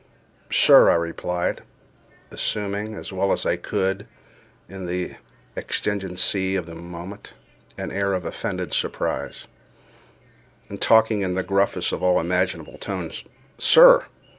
"Sir!" I replied, assuming, as well as I could, in the exigency of the moment, an air of offended surprise, and talking in the gruffest of all imaginable tones—"sir!